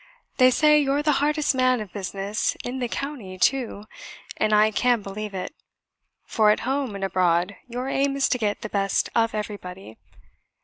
They say you're the hardest man of business in the county too, and I can believe it; for at home and abroad your aim is to get the best of everybody.